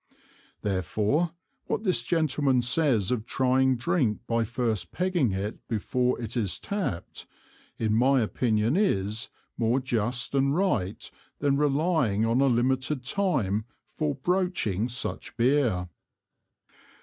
Therefore what this Gentleman says of trying Drink by first Pegging it before it is Tapp'd, in my Opinion is more just and right than relying on a limited time for Broaching such Beer.